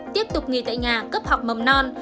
tiếp tục nghỉ tại nhà cấp học mầm non